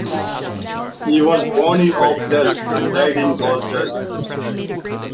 He was born in Oppdal, and died in Gausdal.